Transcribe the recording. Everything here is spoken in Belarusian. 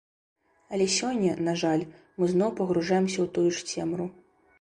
Але сёння, на жаль, мы зноў пагружаемся ў тую ж цемру.